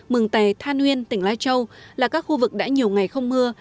mừng tè than nguyên tỉnh lai châu là các khu vực đã nhiều ngày không mưa